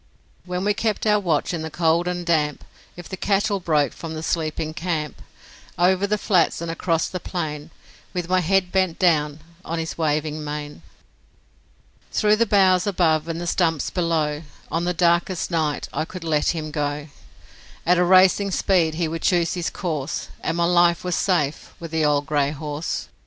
When we kept our watch in the cold and damp, If the cattle broke from the sleeping camp, Over the flats and across the plain, With my head bent down on his waving mane, Through the boughs above and the stumps below On the darkest night I could let him go At a racing speed; he would choose his course, And my life was safe with the old grey horse.